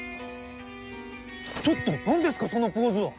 ちょっと何ですかそのポーズは！？